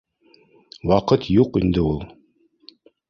Ваҡыт юҡ инде ул